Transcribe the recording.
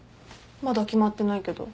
まだ決まってないけど。